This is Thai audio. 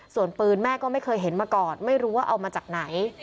ส่วนปืนแม่ก็ไม่เคยเห็นมาก่อนไม่รู้ว่าเอามาจากไหน